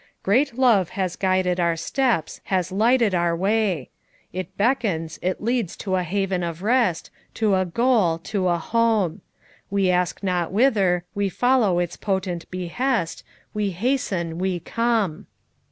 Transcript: It £ Great love has guided our steps Has lighted our way. It beckons, it leads to a haven of rest, To a goal, to a home. We ask not whither, we follow its potent behest, We hasten, we come.'